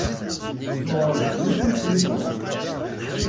Tzewṛeḍ g tyita n ssnitra.